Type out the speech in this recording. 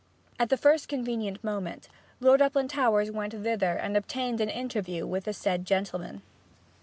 At the first convenient moment Lord Uplandtowers went thither and obtained an interview with the said gentleman.